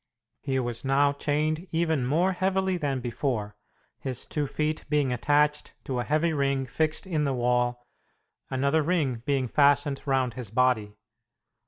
He was now chained even more heavily than before, his two feet being attached to a heavy ring fixed in the wall, another ring being fastened round his body.